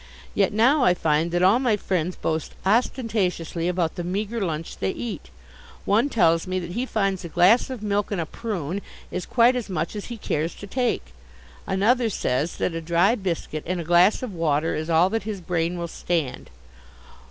Yet now I find that all my friends boast ostentatiously about the meagre lunch they eat. One tells me that he finds a glass of milk and a prune is quite as much as he cares to take. Another says that a dry biscuit and a glass of water is all that his brain will stand.